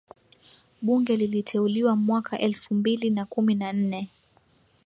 Bunge liliteuliwa mwaka elfum bili na kumi na nne